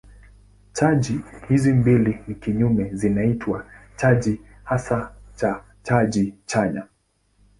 Chaji hizi mbili ni kinyume zinaitwa chaji hasi na chaji chanya.